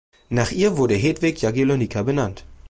Nach ihr wurde Hedwig Jagiellonica benannt.